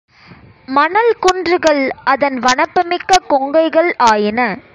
மணல்குன்றுகள் அதன் வனப்புமிக்க கொங்கைகள் ஆயின.